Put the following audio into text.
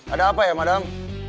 ada apa ya madam